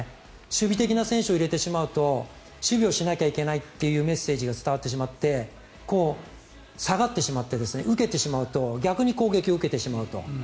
守備的な選手を入れてしまうと守備をしなきゃいけないというメッセージが伝わってしまって下がってしまって受けてしまうと逆に攻撃を受けてしまうと。